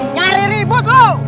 nyari ribut lu